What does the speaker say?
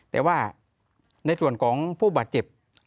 แต่ว่าในส่วนของผู้บาดเจ็บ